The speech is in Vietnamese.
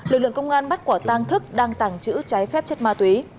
lực lượng công an bắt quả tang thức đang tàng trữ trái phép chất ma túy